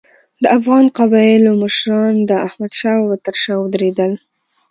د افغان قبایلو مشران د احمدشاه بابا تر شا ودرېدل.